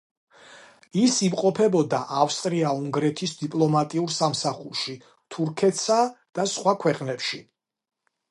ის იმყოფებოდა ავსტრია-უნგრეთის დიპლომატიურ სამსახურში თურქეთსა და სხვა ქვეყნებში.